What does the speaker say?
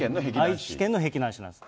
愛知県の碧南市なんです。